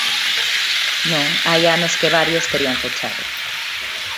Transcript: Non, hai anos que varios terían fechado.